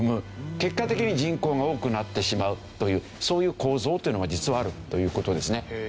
結果的に人口が多くなってしまうというそういう構造というのが実はあるという事ですね。